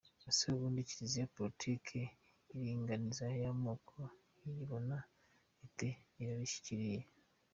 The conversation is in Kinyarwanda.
Ese ubundi Kiliziya politiki y’iringaniza y’amoko iyibona ite, irarishyigikiye”?